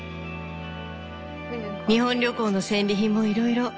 日本旅行の戦利品もいろいろ。